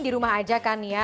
di rumah aja kan ya